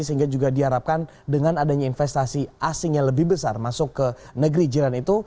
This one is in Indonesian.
sehingga juga diharapkan dengan adanya investasi asing yang lebih besar masuk ke negeri jiran itu